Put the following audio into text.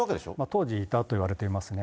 当時いたといわれていますね。